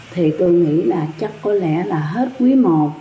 thì tôi nghĩ là chắc có lẽ là hết quý i